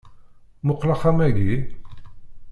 Muqel axxam-agi